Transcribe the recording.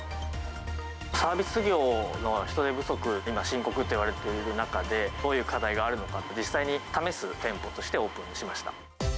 サービス業の人手不足、今、深刻っていわれている中で、どういう課題があるのかって、実際に試す店舗としてオープンしました。